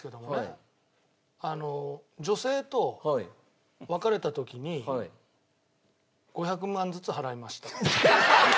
これ女性と別れた時に５００万ずつ払いました。